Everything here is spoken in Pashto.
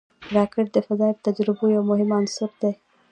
راکټ د فضا د تجربو یو مهم عنصر دی